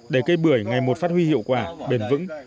để cây bưởi ngày một phát huy hiệu quả bền vững